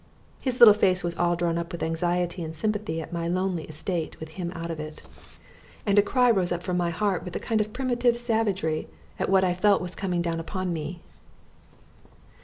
His little face was all drawn up with anxiety and sympathy at my lonely estate with him out of it, and a cry rose up from my heart with a kind of primitive savagery at what I felt was coming down upon me.